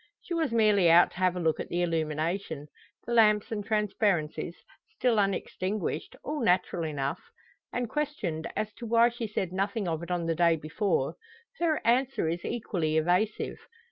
She was merely out to have a look at the illumination the lamps and transparencies, still unextinguished all natural enough. And questioned as to why she said nothing of it on the day before, her answer is equally evasive.